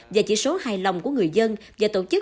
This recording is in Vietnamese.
và chỉ số hài lòng của người dân và tổ chức